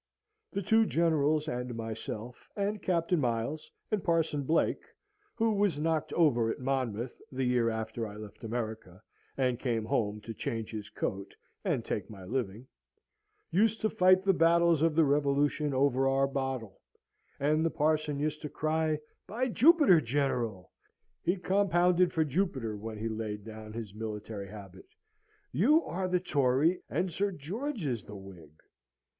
The two Generals and myself, and Captain Miles, and Parson Blake (who was knocked over at Monmouth, the year after I left America, and came home to change his coat, and take my living), used to fight the battles of the Revolution over our bottle; and the parson used to cry, "By Jupiter, General" (he compounded for Jupiter, when he laid down his military habit), "you are the Tory, and Sir George is the Whig!